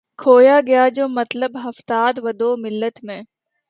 کھویا گیا جو مطلب ہفتاد و دو ملت میں